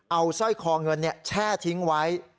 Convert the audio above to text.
เอาสร้อยคอเงินแช่ทิ้งไว้